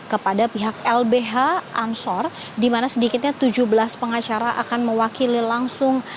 kepada pihak lbh ansor di mana sedikitnya tujuh belas pengacara akan mewakili langsung